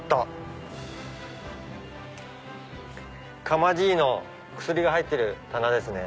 釜爺の薬が入ってる棚ですね。